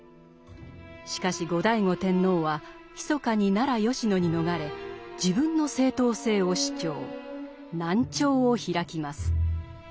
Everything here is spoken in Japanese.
しかし後醍醐天皇はひそかに奈良・吉野に逃れ自分の正統性を主張南朝を開きます。